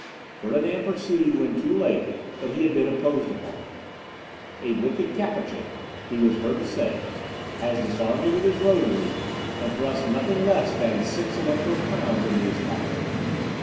Ferdinand perceived, when too late, that he had been imposed upon. "A wicked Capuchin," he was heard to say, "has disarmed me with his rosary, and thrust nothing less than six electoral crowns into his cowl."